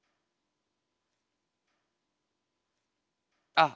あっ！